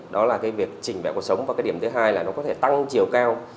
đó là cái việc chỉnh đệ cuộc sống và cái điểm thứ hai là nó có thể tăng chiều cao